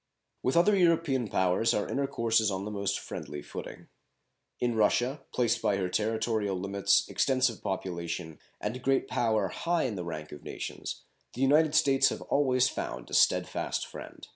With other European powers our intercourse is on the most friendly footing. In Russia, placed by her territorial limits, extensive population, and great power high in the rank of nations, the United States have always found a steadfast friend.